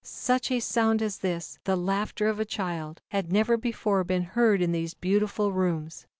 Such a sound as this, the laughter of a child, had never before been heard in these beautiful rooms.